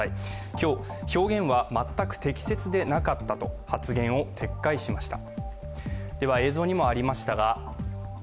今日、表現は全く適切ではなかったと発言を撤回しました。